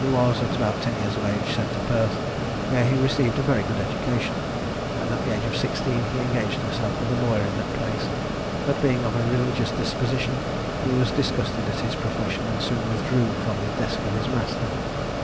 He was, at about ten years of age, sent to Perth, where he received a very good education; and at the age of sixteen he engaged himself with a lawyer in that place; but being of a religious disposition, he was disgusted at his profession, and soon withdrew from the desk of his master.